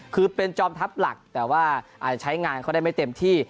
คือเป็นจอมทัพหลักแต่ว่าอาจจะใช้งานเขาได้ไม่เต็มที่